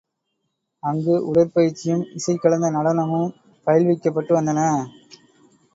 அங்கு உடற்பயிற்சியும் இசை கலந்த நடனமும் பயில்விக்கப்பட்டு வந்தன.